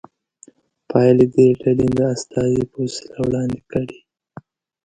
پایلې دې ډلې د استازي په وسیله وړاندې کړي.